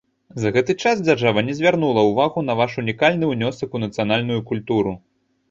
За гэты час дзяржава не звярнула ўвагу на ваш унікальны ўнёсак у нацыянальную культуру.